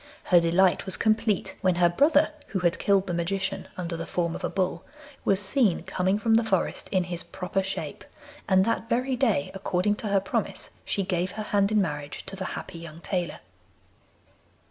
Her delight was complete when her brother (who had killed the Magician under the form of a bull) was seen coming from the forest in his proper shape, and that very day, according to her promise, she gave her hand in marriage to the happy young tailor.